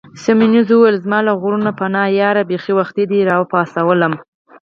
سیمونز وویل: زما له غرونو پناه یاره، بیخي وختي دي را وپاڅولم.